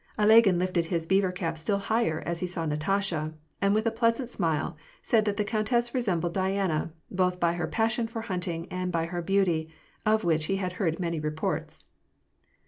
Ilagin lifted his beaver cap still higher as he saw Natasha ; and with a pleasant smile, said that the countess resembled Diana, both by her passion for hunting and by her beauty, of which he had heard many reports.